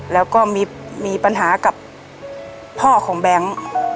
แล้วก็มีปัญหากับพ่อของแบงค์